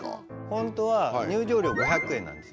本当は入城料５００円なんですよ。